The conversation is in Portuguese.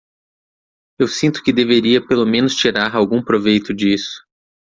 Eu sinto que deveria pelo menos tirar algum proveito disso.